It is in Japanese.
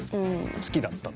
好きだったと。